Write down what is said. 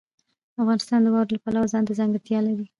افغانستان د واوره د پلوه ځانته ځانګړتیا لري.